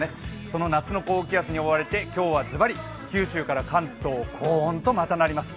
その夏の高気圧に覆われて、今日はズバリ、九州から関東はまた高温となります。